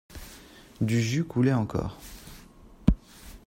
Du jus coulait encore.